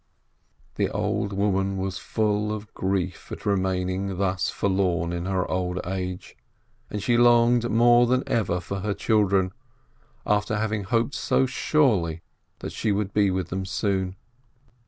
The old woman was full of grief at remaining thus forlorn in her old age, and she longed more than ever for her children after having hoped so surely that she would be with them soon.